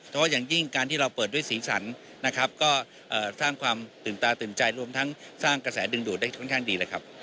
แต่ว่าอย่างยิ่งการที่เราเปิดด้วยสีสันนะครับก็สร้างความตื่นตาตื่นใจรวมทั้งสร้างกระแสดึงดูดได้ค่อนข้างดีเลยครับ